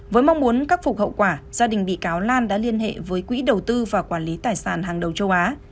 với mong muốn khắc phục hậu quả gia đình bị cáo lan đã liên hệ với quỹ đầu tư và quản lý tài sản hàng đầu châu á